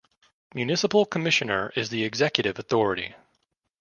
Municipal Commissioner is the executive authority.